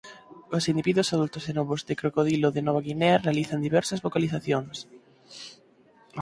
Os individuos adultos e novos de crocodilo de Nova Guinea realizan diversas vocalizacións.